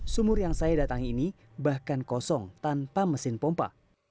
sumur yang saya datangi ini bahkan kosong tanpa mesin pompa